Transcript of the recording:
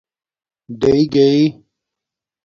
ڈِݶ گݶ